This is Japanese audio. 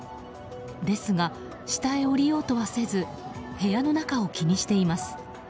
ですが、下へ降りようとはせず部屋の中を気にしています。